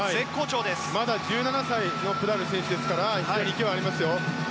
まだ１７歳のプダル選手ですから勢いはありますよ。